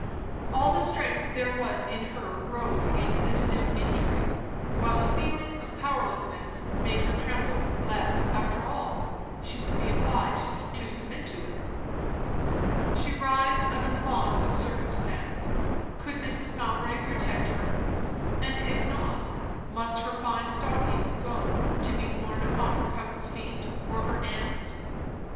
All the strength there was in her rose against this new injury; while a feeling of powerlessness made her tremble lest after all, she would be obliged to submit to it. She writhed under the bonds of circumstance. Could Mrs. Mowbray protect her? and if not, must her fine stockings go, to be worn upon her cousin's feet, or her aunt's?